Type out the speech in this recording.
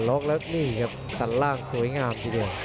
แล้วนี่ต่างล่างสวยงามทีนี่